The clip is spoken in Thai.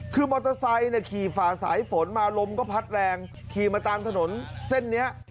คือมอเตอร์ไซค์ขี่ฝ่าสายฝนมาลมก็พัดแรงขี่มาตามถนนเส้นนี้